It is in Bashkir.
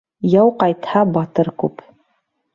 Яу ҡайтһа, батыр күп.